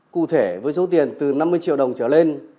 cụ thể với số tiền từ năm mươi triệu đồng trở lên